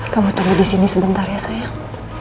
kamu tunggu disini sebentar ya sayang